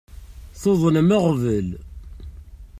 Tuḍnem aɣbel.